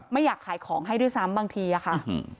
ไม่อยากขายของให้ด้วยซ้ำบางทีอะค่ะ